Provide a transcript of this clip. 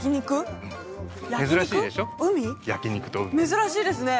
珍しいですね。